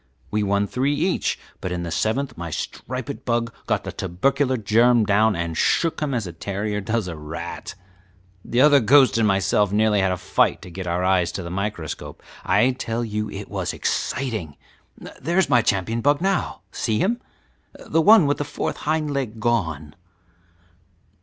We won three each, but in the seventh my striped bug got the tubercular germ down and shook him as a terrier does a rat. The other ghost and myself nearly had a fight to get our eyes to the microscope. I tell you it was exciting. There is my champion bug now, see him? the one with the fourth hind leg gone."